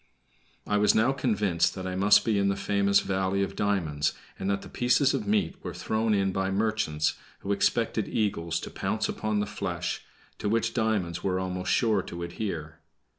I was now convinced that I must be in the famous valley of diamonds, and that the pieces of meat were thrown in by merchants, who expected eagles to pounce upon the flesh, to which diamonds were almost sure to adhere.